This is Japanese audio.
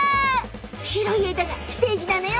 白い枝がステージなのよ！